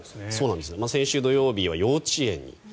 先週土曜日は幼稚園に。